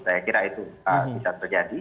saya kira itu bisa terjadi